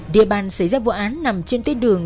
địa bàn xảy ra vụ án nằm trên tuyến đường